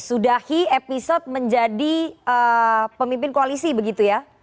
sudahi episode menjadi pemimpin koalisi begitu ya